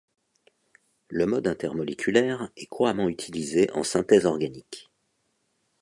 Le mode intermoléculaire est couramment utilisé en synthèse organique.